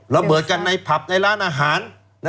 ระเบิดกันในผับในร้านอาหาร